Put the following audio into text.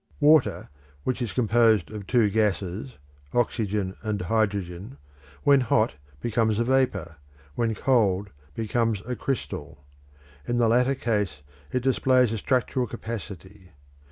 Water, which is composed of two gases oxygen and hydrogen when hot, becomes a vapour; when cold, becomes a crystal. In the latter case it displays a structural capacity.